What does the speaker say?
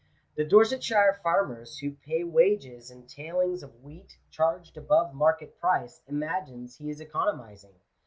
The Dorsetshire farmer who pays wages in tailings of wheat charged above market price, imagines he is economizing.